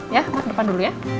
ya emah ke depan dulu ya